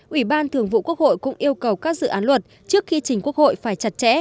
ủy ban thường vụ quốc hội cũng yêu cầu các dự án luật trước khi trình quốc hội phải chặt chẽ